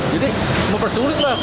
jadi mempersulit lah